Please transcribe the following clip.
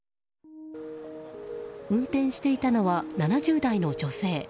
運転していたのは７０代の女性。